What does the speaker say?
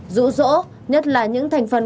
rũ rỗ nhất là những thành phần